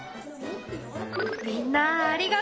みんなありがとう。